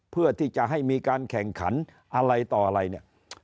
เพื่อที่จะให้มีการแข่งขันอะไรต่ออะไรเนี่ย